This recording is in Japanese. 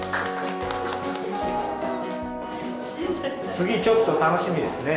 次ちょっと楽しみですね。